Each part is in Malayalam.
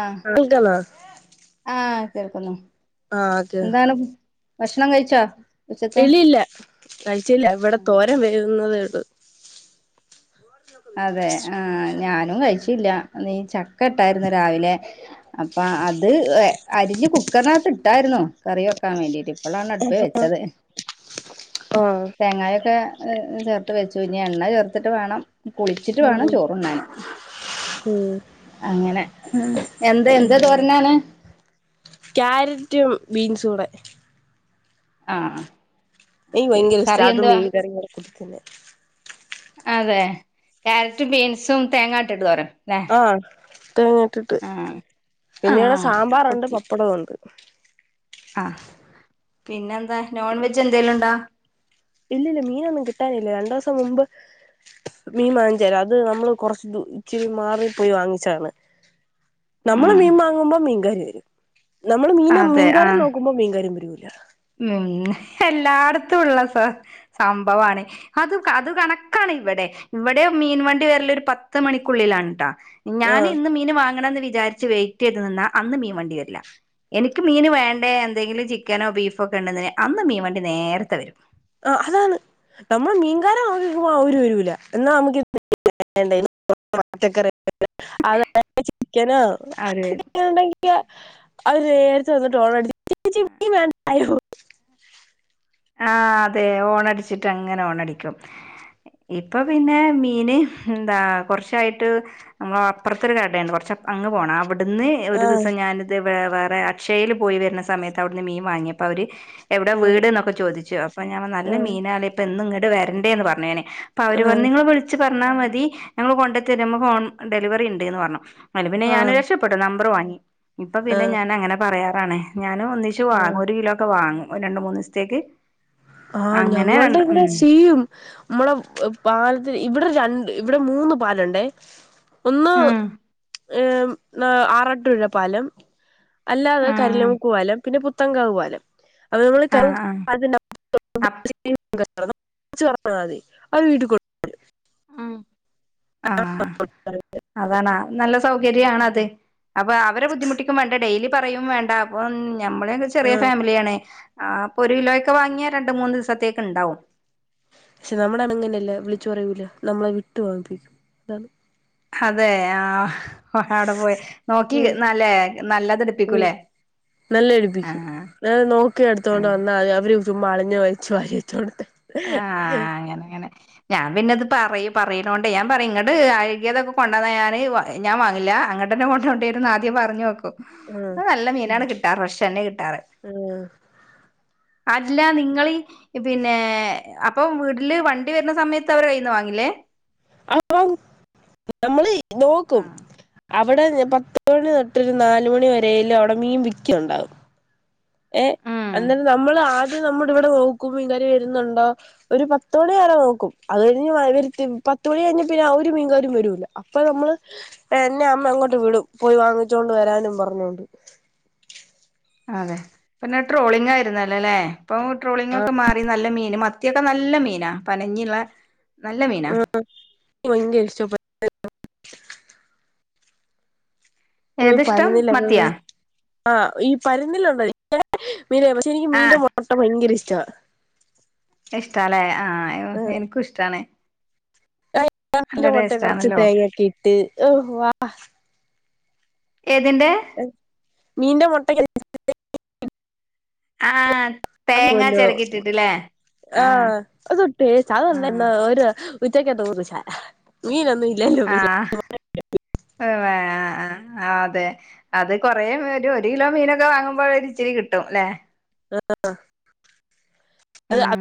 ആഹ് കേക്ക്ന്നൊ ആഹ് കേൾക്കുന്നു ആഹ് കേ എന്താണ് ഭക്ഷണം കഴിച്ചോ ഉച്ചത്തെ ഇല്ല കഴിച്ചില്ല ഇവിടെ തോരം വേവുന്നതേ ഒള്ളു [inaudible] അതെ ആഹ് ഞാനും കഴിച്ചില്ല നീ ചക്ക ഇട്ടായിരുന്നു രാവിലെ അപ്പ അത്ഏ അരിഞ്ഞ് കുക്കറിനകത്ത് ഇട്ടായിരുന്നോ കറി വെക്കാൻ വേണ്ടിട്ട് ഇപ്പളാണ് അട്പ്പ്‌ വെച്ചത് ആഹ് തേങ്ങായൊക്കെ ചേർത്ത് വെച്ചു ഇനി എണ്ണ ചേർത്തിട്ട് വേണം കുളിച്ചിട്ട് ഉം വേണം ചോറുണ്ണാന് ഉം അങ്ങനെ ഉം എന്താ എന്ത് തോരണാണ് ക്യാരറ്റും ബീൻസൂടെ ആഹ് എനിക്ക് ശരി വൈങ്കര കറി ഇശ്റ്റാ അതും എന്തുവാ മീങ്കറിങ്കൂടെ കുടുത്തനെ അതെ ക്യാരറ്റും ബീൻസും തേങ്ങാട്ട്ട്ട് തോരൻ ആഹ് തേങ്ങട്ടിട്ട് ആഹ് പിന്നെടെ ആഹ് സാമ്പാർുണ്ട് കുത്തി പപ്പടും ഉണ്ട് ആഹ് പിന്നെ എന്താ നോൺ വെജ് എന്തെലും ഉണ്ടോ ഇല്ല ഇല്ല മീനൊന്നും കിട്ടാനില്ല രണ്ടു ദിവസം മുമ്പ് മീമാഞ്ചരം അത് നമ്മള് കൊറച്ച് ഇച്ചിരി മാറിപ്പോയി വാങ്ങിച്ചതാണ് [inaudible] നമ്മള് മീൻ വാങ്ങുമ്പോ മീൻകാര് വരും നമ്മള് മീന അതെ മീൻകാര ആഹ് നോക്കുമ്പോ മീൻകാര് വരൂല ഉം എല്ലായിടത്തും ഉള്ള സ സംഭവമാണ് അത് അത് കണക്കാണ് ഇവിടെ ഇവിടെ മീൻ വണ്ടി വരല് ഒരു പത്ത് മണിക്കുള്ളിലാണ് ട്ടാ ഞാൻ ആഹ് ഇന്ന് മീൻ വാങ്ങണം എന്ന് വിചാരിച്ച് വെയിറ്റ് ചെയ്ത് നിന്നാ അന്ന് മീൻ വണ്ടി വരില്ല എനിക്ക് മീന് വേണ്ട എന്തെങ്കിലും ചിക്കനോ ബീഫ് ഒക്കെ ഉണ്ടെ അന്ന് മീൻ വേണ്ടി നേരത്തെ വരും ആ അതാണ് നമ്മൾ മീൻകാര നോക്കിക്കുമ്പോ അവരു വെരൂല എന്നാ നമുക്ക് [unintelligible] ചിരിക്കാനാ അതേ ണ്ടെങ്കിൽ അത് നേരത്തെ വന്നിട്ട് പോണം വേണ്ടായോ [unintelligible] ആഹ് അതെ ഓണടിച്ചിട്ട് അങ്ങനെ ഓണടിക്കും ഇപ്പൊ പിന്നെ മീന് എന്താ കുറച്ചായിട്ട് നമ്മള അപ്പറതൊരു കടയുണ്ട് കുറച്ച് അങ് പോകണം അവിടെ അവിടുന്ന് ഒരു ആഹ് ദിവസം ഞാനിത് വ വേറെ അക്ഷയയില് പോയി വരുന്ന സമയത്ത് അവിടുന്ന് മീൻ വാങ്ങിയപ്പോ അവര് എവിടെ ഉം വീട്ന്നൊക്കെ ചോദിച്ചു അപ്പ ഞാൻ നല്ല ആഹ് മീനാലെ ഇപ്പൊ എന്നും ഇങ്ങോട്ട് വരണ്ടേ എന്ന് പറഞ്ഞേനെ അപ്പൊ അവര് പറഞ് ആഹ് നിങ്ങൾ വിളിച്ച് പറഞ്ഞാൽ മതി ഞങ്ങള് കൊണ്ട് തരാം നമുക്ക് ഹോം ഡെലിവറി ഉണ്ട് എന്ന് പറഞ്ഞു അ പിന്നെ ഞാൻ ആഹ് രക്ഷപ്പെട്ടു നമ്പർ വാങ്ങി ഇപ്പൊ പിന്നെ ആഹ് ഞാൻ അങ്ങനെ പറയറാണെ ഞാനൻ ഒന്ന ച്ച് ആഹ് ഒരു കിലോ ഒക്കെ വാങ്ങും ഒരു രണ്ട് മൂന്ന് ദിവസത്തേക്ക് ആഹ് അങ്ങനെ ഞങ്ങളുടെ രണ്ട് ഉം ഇവിടെ സീയും നമ്മടെ പാലത്ത് ഇവിടെ രണ്ട് ഇവിടെ മൂന്ന പാലുണ്ടേ ഒന്ന് ഉം ഏ ആറാട്ടുഴപ്പാലം അല്ലാതെ ആ കരിലമുക്കുപാലം പിന്നെ പുത്തങ്കാവുപാലം അപ്പ നമ്മൾ ആ ആ അപ് മതി അവര് വീട്ടിൽടു [unintelligible] ആഹ് അതാണ് നല്ല സൗകര്യാണ് അത് അപ്പൊ അവരെ ബുദ്ധിമുട്ടിക്കും വേണ്ട ഡെയിലി പറയ്യും വേണ്ട അപ്പം നമ്മള് ചെറിയ ആഹ് ഫാമിലിയാണ പ്പൊ ഒരു കിലോ ഒക്കെ വാങ്ങിയാ രണ്ട് മൂന്ന് ദിവസത്തേക്ക്ണ്ടാവും പക്ഷെ നമ്മുടാണെ ഇങ്ങനെയല്ല വിളിച്ചു പറയൂല നമ്മളെ വിട്ട് വാങ്ങിപ്പിക്കും അതാണ് അതെ ആഹ് അവിടെ പോയി നോക്കി ഉം നല്ലേ നല്ലത് ഉം എടുപ്പിക്കൂലേ ആഹ് ത് നോക്കി എടുത്തോണ്ട് ആഹ് വന്നാൽ മതി അവര് ചുമ്മാ അളിഞ്ഞ വലിച്ചു വാരിച്ചെടുത്തോണ്ട് തരും ആഹ് അങ്ങന അങ്ങനെ ഞാൻ പിന്നെ ഇത് പറയും പറയുന്ന കൊണ്ട് ഞാൻ പറയും ഇങ്ങട്ട് അഴുഗ്യതൊക്കെ കൊണ്ടന്നാ ഞാന് ഞാൻ വാങ്ങില്ല അങ്ങട്ട്ന്നെ കൊണ്ട് പോണ്ടിരുന്നു ആദ്യം പറഞ്ഞു വയ്ക്കും ആഹ് നല്ല മീനാണ് കിട്ടാറ് ഫ്രഷ് തന്നെ കിട്ടാറ് ആഹ് അതില്ല നിങ്ങളി പിന്നെ അപ്പൊ വീട്ടില് വണ്ടി വരുന്ന സമയത്ത് അവര കയ്യിൽ നിന്ന് വാങ്ങില്ലേ അതെപ്ളാവും നമ്മള് നോക്കും അവിടെ പത്ത് മണി തൊട്ടൊരു നാല് മണി വരേലും അവിടെ മീൻ വിക്കുന്നുണ്ടാവും ഏഹ് ഉം അന്നേരം നമ്മൾ ആദ്യം നമ്മൾ ഇവിടെ നോക്കും മീൻകാര് വരുന്നുണ്ടോ ഒരു പത്ത് മണി വരെ നോക്കും അത് കഴിഞ്ഞ് പത്ത് മണി കഴിഞ്ഞാ പിന്നെ ആ ഒരു മീൻകാരും വരൂല്ല അപ്പൊ നമ്മള് എന്നെ അമ്മ അങ്ങോട്ട് വിടും പോയി വാങ്ങിച്ചോണ്ട് വരാനും പറഞ്ഞോണ്ട് അതെ പിന്നെ ട്രോളിംഗ ആയിരുന്നല്ലേ അല്ലേ ഇപ്പൊ ട്രോളിംഗ് ഒക്കെ മാറി നല്ല മീൻ മത് ഇനിയൊക്കെ നല്ല മീനാ പനഞ്ഞിള്ള നല്ല മീനാ വണ്ടി ഇടിച്ചോ ഓ ഏതിഷ്ടം പരുന്നില്ലാ മത്തിയാ ആഹ് ഈ പന്നിഞ്ഞിലുള്ള മീനാ പക്ഷെ എനിക്ക് ആഹ് മീന്റെ മുട്ട ഭയങ്കര ഇഷ്ടമാണ് ഇഷ്ട്ടാലേ ആഎനക്കും ഇഷ്ടാണ് [unintelligible] നല്ല മുട്ട ടേസ്റ്റ് കുറച്ച് ആണല്ലോ തേങ്ങാക്കിട്ട് ഔവാ ഏതിന്റെ മീന്റെ മുട്ട ആഹ് തേങ്ങ [unintelligible] [unintelligible] ചെരകിട്ടിട്ടില്ലേ ആഹ് [unintelligible] ആഹ് ആഹ് വേ ആഹ് ആഹ് അതെ അത് കുറേ ഒരു ഒരു കിലോ മീനൊക്കെ വാങ്ങുമ്പോഴ ഒരു ഇച്ചിരി കിട്ടും ല്ലെ ആഹ് ഉം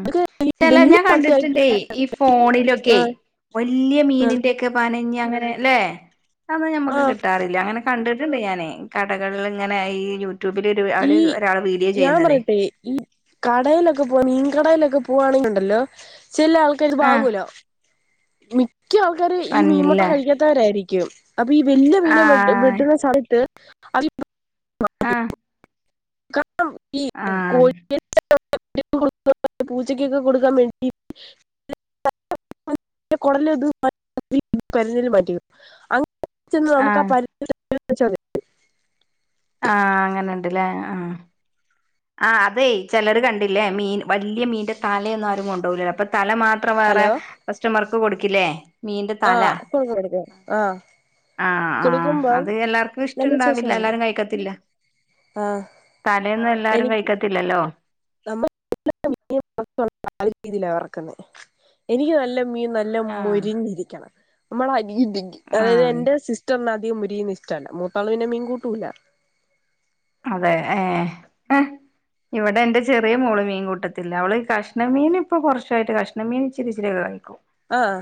ചില വലിയ ഞാൻ മുട്ടയാക്കി കണ്ടിട്ട്ണ്ട് ഈ ഫോണിലൊക്കെ ആഹ് വല്ലിയ ആഹ് മീനിന്റെ ഒക്കെ പനഞ്ഞി അങ്ങനെ ല്ലെ അത് ഞമ്മക്ക് ആഹ് കിട്ടാറില്ല അങ്ങനെ കണ്ടിട്ടുണ്ട് ഞാനേ കടകളിൽ ഇങ്ങനെ ഈ യൂട്യൂബിൽ ഒരു ഈ ഒരാള് വീഡിയോ ചെയ്യുന്നത് [unintelligible] കടയിലൊക്കെ പോവാ മീൻകടയിലൊക്കെ പോവാണെങ്കിലുണ്ടല്ലോ ചില ആൾക്കാരി ആഹ് വാങ്ങുലോ മിക്ക ആൾക്കാര് ഈ മീൻമുട്ട പനഞ്ഞില്ലേ കഴിക്കാത്തവരായിരിക്കും അപ്പൊ ഈ വലിയ മീനെ വെ ആഹ് വെട്ടുന്ന സമയത്ത് ആഹ് [unintelligible] ആഹ് [unintelligible] പൂച്ചക്കൊക്കെ കൊടുക്കാൻ വേണ്ടി [unintelligible] നമുക്ക് ആ ആഹ് [unintelligible] ആഹ് അങ്ങനെ ഉണ്ട്ല്ലേ ആഹ് ആഹ് അതെ ചെലർ കണ്ടില്ലേ മീൻ വലിയ മീന്റെ തലന്നും ആരും കൊണ്ടൊവുല്ലല്ലോ അപ്പൊ തല മാത്രം മാത്രം വേറെ ഹലോ കസ്റ്റമർക്ക് കൊടുക്കില്ലേ മീന്റെ തല ആഹ് കോടുക്കും കോടുക്കും ആഹ് ആഹ് ആഹ് അത് എല്ലാർക്കും നല്ല ഇഷ്ടണ്ടാവില്ല ചോദിച്ചാൽ അത് മതി എല്ലാരും കഴിക്കത്തില്ല ആ തലേന്ന് എല്ലാരും എനിക്ക് കഴിക്കത്തില്ലല്ലോ നമ്മൾ [unintelligible] എനിക്ക് നല്ല മീൻ നല്ല ആഹ് മൊരിഞ്ഞിരിക്കണം നമ്മൾ അനിയത്തിക്ക് അതായത് ആഹ് എന്റെ സിസ് റ്റർ ന് അധികം മോരീയുന്നത് ഇഷ്ടല്ല മൂത്താള്പിന്നെ മീൻകൂട്ടൂല്ല അതെ ഏഹ് ഇവിടെ എന്റെ ചെറിയ മോള് മീൻ കൂട്ടത്തില്ല അവള് കഷ്ണ മീൻ ഇപ്പ കുറച്ചായിട്ട് കഷ് കഷ്ണമീൻ ഇച്ചിരിച്ചിരി കായിക്കും ആഹ്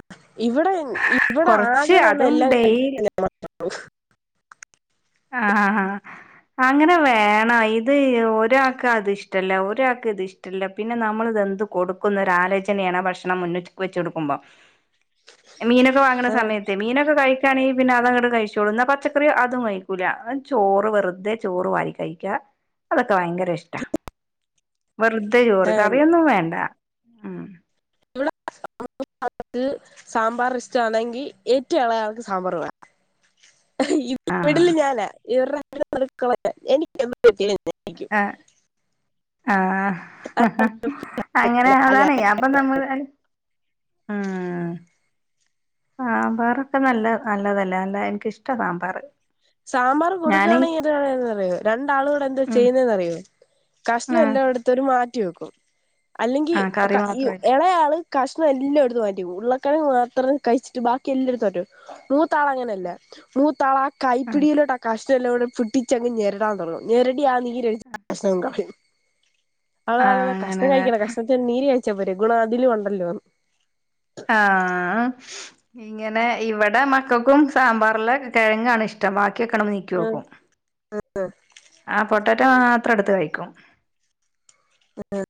ഇവിടെ ഇവിടെ കൊറച്ച് ആകെ തന്നെ അതും എല്ലാം ഡെയിലി കഴിക്കുന്നേ ഞാൻ മാത്ര ഉള്ളു ആഹ് ആഹ് അങ്ങനെ വേണം ഇത് ഒരാൾക്ക് അത് ഇഷ്ടല്ല ഒരാൾക്ക് ഇത്ഷ്ട്ടല്ല ഇഷ്ടല്ല പിന്നെ നമ്മള് എന്ത് കൊടുക്കുന്നരലോചനയാണ് ഭക്ഷണം മുന്നി വെചൊടുക്കുമ്പം മീനൊക്കെ വാങ്ങണ ഏ, സമയത്ത് മീനൊക്കെ കഴികാണെങ്കിൽ പിന്നെ അത അങ്ങട്ട് കഴിച്ചോളൂ ന്നാ പച്ചക്കറി അതുമതി ക്കുല ചോറ് വെറുതെ ചോറ് വാരി കഴിക്കാ അതൊക്കെ ഭയങ്കര ഇഷ്ടാ വെറുതെ ചോറ് ഏ, കറിയൊന്നും വേണ്ട [unintelligible] അത് സാമ്പാർ ഇഷ്ടാ അണെങ്കിൽ ഏറ്റോം എളെ ആൾക്ക് സാമ്പാർ വേ ആഹ് [unintelligible] ആഹ് ആഹ് അങ്ങനെ അതാണ് അപ്പൊ നമ്മള് സാമ്പാറൊക്കെ നല്ല നല്ലതല്ല നല്ല എനക്കിഷ്ട സാമ്പാറ് സാമ്പാർ ഞാന് കൊടുകയാണെങ്കിൽ എന്താന്ന് അറിയോ രണ്ടാളുകൂടെ എന്താ ഉം ചെയ്യുന്നതെന്നറിയോ കഷ്ണം ആഹ് എല്ലാം എടുത്തരു മാറ്റി വെക്കും അല്ലെങ്കിൽ ആഹ് കറി മാത്രമായിട്ട് ഇളയാള് കഷ്ണം എല്ലാം എടുത്തു മാറ്റി വെക്കും ഉരുളക്കിഴങ്ങ് മാത്രം കഴിച്ചിട്ട് ബാക്കി എല്ലാം മറ്റിവെക്കും മൂത്താള അങ്ങനെയല്ല നൂത്താള ആഹ് കൈപ്പിടിയിൽ ലോട്ട് ആഹ് കഷ്ണം എല്ലാം കുടി പിടിച്ച് അങ്ങ് ഞേരുടാൻ തോടങ്ങും ഞേരുടി ആഹ് നിര് ഒഴി ആഹ് [unintelligible] കഷ്ണം അങ്ങനെല്ലേ കഴിക്കല കഷ്. നീര് കഴ്ച്ചാപോരെ ഗുണം അതിലുണ്ടല്ലോ. ആഹ്. ഇങ്ങനെ ഇവിടെ മക്കക്കും സാമ്പാറില കെഴങ്ങാണ് ഇഷ്ടം ബാക്കിക്കൊട നീക്കി ആഹ് വെക്കും. ആഹ്. പൊട്ടാറ്റോ മാത്രം എടുത്ത് കഴിക്കും. ആഹ്.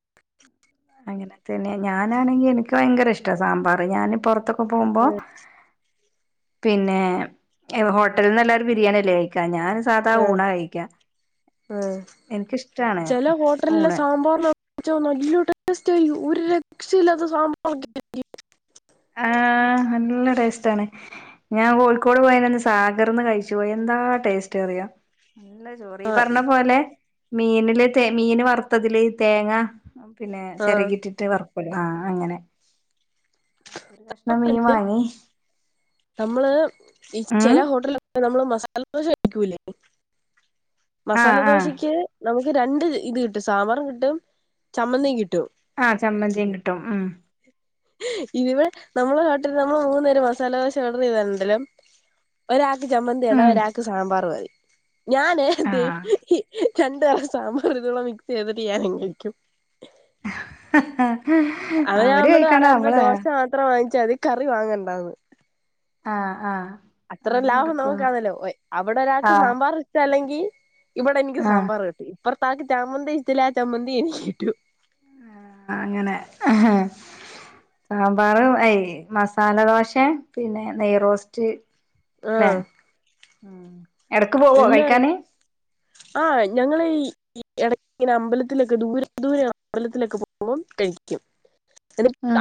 അങ്ങനെ തന്നെ ഞാനാണെങ്കിൽ എനിക്ക് ഭയങ്കര ഇഷ്ട സാമ്പാർ ഞാൻ പൊറത്തൊ. പ്പോ പോവുമ്പോ. ആഹ് പിന്നെ ഹോട്ടൽന്നല്ലാരും ബിരിയാണി അല്ലേ കയിക്കാ ഞാൻ. സാധാ ഊണ ആഹ് കഴിക്ക ആഹ് എനിക്കിഷ്ടാണ് ഊണ്. എന്ന് വെച്ച നല്ലടേസ്റ്റ് അയ്യോ ഒരു രക്ഷയില്ലാത്ത സാമ്പാറൊക്കെ. ആഹ് നല്ല ടേസ്റ്റ് ആണ്. ഞാൻ കോഴിക്കോട് പോയന്ന് സാഗർന്ന് കഴിച്ചു പോയി. എന്താ ടേസ്റ്റ് അറിയോ. നല്ല ചോറ് ഈ പറഞ്ഞ പോലെ മീനില് ത മീന് വറുത്തതില് തേങ്ങ. പിന്നെ ആഹ് ചെരകിട്ടിട്ട് വറ്ക്കൊല്ലോ ആ അങ്ങനെ. ഒരു കഷ്ണം മീൻ വാങ്ങി [inaudible] നമ്മള് ഈ ചെല ഉം ഹോട്ടല. നമ്മള് മസാല ദോശ കഴിക്കൂല്ലേ ആ മസാല ആ ദോശക്ക്. നമുക്ക് രണ്ട് ഇത് കിട്ടും സാമ്പാറും കിട്ടും ചമ്മന്തിം കിട്ടും. ആ ചമ്മന്തിം കിട്ടും ഉംഹ്. ഇതിവടെ നമ്മളെ നാട്ടില് നമ്മൾ മൂന്നു പേര് മസാലദോശ ഓർഡർ. [unintelligible] ഒരാൾക്ക് ചമ്മന്തിയാണെ ഉം ഒരാക്ക് സാമ്പാർ മതി ഞാന്. ആ രണ്ട് തരം സാമ്പറും കൂടെടെ മിക്സ് ചെയ്തിട്ട് ഞാനങ്ങ് കഴിക്കും. അവര് കഴിക്കണ്ട നമ്മള് ഇത്ര വാങ്ങിച്ചാൽ മതി കറി വാങ്ങണ്ടാന്ന്. ആഹ് ആഹ്. അത്ര ലാഭം നമുക്കാണല്ലോ ഒ അവിടെ ആ ഒരാൾക്ക് സാമ്പാർ ഇഷ്ട അല്ലെങ്കിൽ. ഇവിടെ എനിക്ക് ആ സാമ്പാർ കിട്ടി ഇപ്പറത്താക്ക് ചാമ്മന്തി ഇഷ്ടല്ല ആ ചമ്മന്തി എനിക്ക് കിട്ടു. അങ്ങനെ. സാമ്പാർ ഏ മസാല ദോശെ പിന്നെ നെയ് റോസ്റ്റ് ല്ലേ ആഹ് ഉംഹ്. എന്താ ആഹ് ഞങ്ങള് ഇ. ഈ എടയ്ക്കിങ്ങനെ അമ്പലത്തിലൊക്കെ ദൂരെ ദൂരെ അമ്പലത്തിലൊക്കെ പോകുമ്പോം കഴിക്കും. എനിക്ക് ഉം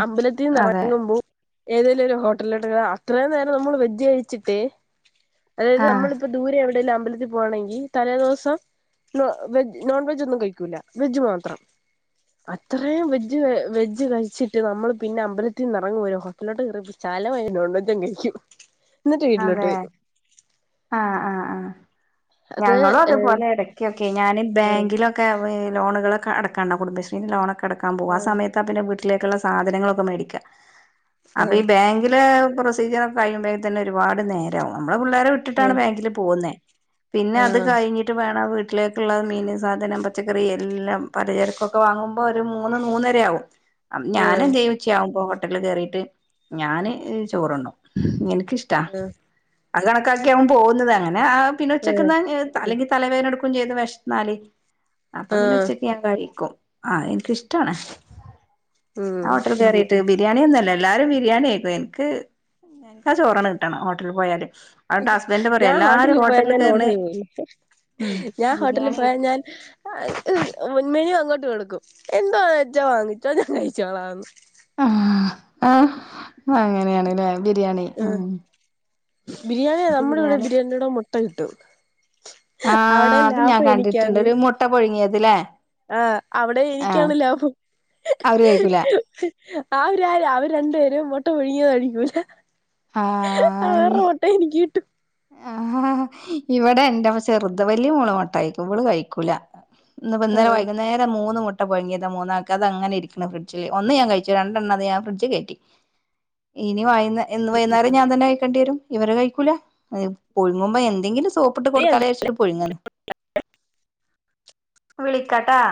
അതെ അമ്പലത്തിന്നിറങ്ങുമ്പോ. ഏതേലും ഒരു ഹോട്ടലിലോട്ട് അത്രയും നേരം നമ്മൾ വെജ് കഴിച്ചിട്ട് അതായത് ആഹ് നമ്മളിപ്പോ. ദൂരെം എവിടെലും അമ്പലത്തിൽ പോകണെങ്കിൽ തലേദിവസം. നോ വെജ് നോൺ വെജൊന്നും കഴിക്കൂല്ല വെജ് മാത്രം. അത്രയും വെജ് വെജ് കഴിച്ചിട്ട് നമ്മള് പിന്നെ അമ്പലത്തിൽ നിന്ന് എറങ്ങു പോരുമ്പോ. [unintelligible] നോൺവെങ്ങ് കഴിക്കും. ന്നിട്ട് വീട്ടിലോട്ട് അതെ വരും. ആഹ് ആഹ് ആഹ് അത് ഞങ്ങളും അതുപോലെ ഇടയ്ക്കൊക്കെ ഞൻ ബാങ്കിലൊ. ക്കെ ഈ ലോണുകളൊക്കെ അടക്കണ്ടാവും കുടുംബശ്രീന്റെ ലോണക്കെ അട്ക്കാൻ പോവും. ആ ആഹ് സമയത്ത്. പിന്നെ വീട്ടിലേക്ക്ള്ള സാധനങ്ങളക്കെ മേടിക്ക അപ്പ. ഈ ആഹ് ബാങ്കിലെ. [inaudible] പ്രൊസിജ്യർ ഒക്കെ കഴിയുമ്പോഴെ തന്നെ ഒരുപാട് നേരാവും നമ്മള് പിള്ളേരെ വി. ട്ടിട്ടാണ് ബാങ്കിൽ പോകുന്നേ. പിന്നെ ആഹ് അത് ആഹ് കഴിഞ്ഞ്ട്ട. ട്ട് വേണം വീട്ടിലേക്കുള്ള മീൻ സാധനം പച്ചക്കറി എല്ലാം പലചരക്കൊക്കെ വാങ്ങു. മ്പൊ ഒരു മൂന്ന് മൂന്നരയാവും. ഞാനന്തെയ്യും ഉച്ചയാവുമ്പോ ഹോട്ടലില് കേറീട്ട് ഞാന് ചോറ്ണ്ണും. എനക്കിഷ്. ട ആഹ് അതും കണക്കാക്കിയാവും പോകുന്നത് അങ്ങനെ ആ പിന്നെ ആഹ് ഉച്ചക്ക്ന്നാൻ ഏ. അല്ലെങ്കിൽ തലവേദന എടുക്കും ചെയ്യും. വെഷന്നാല് അപ്പൊ പിന്നെ ആഹ് ഉച്ചക്ക്. ഞാൻ കഴിക്കും ആ എനിക്കിഷ്ടണ ട്ടാണ് ഞാൻ ഉം ഹോട്ടൽ കേറി ത് ബിരിയാണിയന്നുംല്ല എല്ലാരും ബിരിയാണിയിക്കും എൻക്ക് എൻക്കാ ചോറന്നെ കിട്ടണം ഹോട്ടലിൽ പോയാല് അന്നിട്ട് ഹസ്ബൻഡ് പറയും ഞാൻ എല്ലാരും ഹോട്ടലിൽ പോയാ ഞാൻ ഓർഡർ കേറ്ണെ ചെയ്ല്ല ഉം ഞാൻ ഹോട്ടലിൽ ബിരിയാണി ആയിട്ട് പോയാ ഞാൻ ഉൻമെനു അങ്ങോട്ട് കൊട്ക്കും എന്തോന്നച്ചാ വാങ്ങിച്ചോ ഞാൻ കഴിച്ചോളാന്ന് ആ ആ അങ്ങനെയാണല്ലേ ബിരിയാണി ആ ഉം ബിരിയാണിയ എനിക്ക് നമ്മുടെ ഇവിടെ ബിരിയാണിയടെ മുട്ട കിട്ടു ആ അത് ഞാൻ കണ്ടിട്ടുണ്ട് ഒരു മുട്ട പൊഴുങ്ങിയത് ലേ ആ അവിടെ എനിക്കാണ് ലാഭം അവര് കഴിക്കൂല ആവ് രാര് അവര് രണ്ടു പേരും മുട്ടപു ഴുങ്ങിയത് കഴിക്കൂല ആയ് അവരുടെ ന് മൊട്ട എനിക്ക് ഗീട്ട് ആ ഇവിടെ എന്റെപ്പ ചെറുത് വല്യ മോള് മുട്ട കഴിക്കും ഇവള് കഴിക്കൂല ഇന്ന്പ്പ ന്നലെ ആഹ് വൈകുന്നരം ലെ മൂന്ന് മുട്ട പഴങ്ങിയത മൂന്നാക്ക് അതങ്ങനെ ഇരിക്ക്ണ ഫ്രിഡ്ജ്ല് ഒന്ന് ഞൻ കഴിച്ചു രണ്ടണ്ണത് ഞ ഫ്രഡ്ജ് കേറ്റി ഇനി വൈ ന്ന് ഇന്ന് വൈന്നേരം ഞാ തന്നെ കഴിക്കേണ്ടിരും ഇവര് കഴിക്കൂല പുഴുങ്ങുമ്പോ എന്തെങ്കിലും സോ പ്പ്ട്ട് കൊടുക്കാലാര്ച്ചിട്ട് പുഴുങ്ങുന്ന വിളിക്കാട്ടാ